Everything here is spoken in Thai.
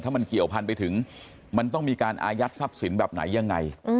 มันเกี่ยวพันไปถึงมันต้องมีการอายัดทรัพย์สินแบบไหนยังไง